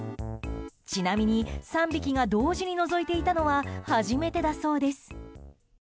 ちなみに３匹が同時にのぞいていたのは初めてだそうです。